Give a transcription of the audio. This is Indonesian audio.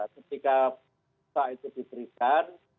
ketika pusat itu diberikan